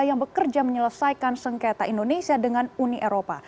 yang bekerja menyelesaikan sengketa indonesia dengan uni eropa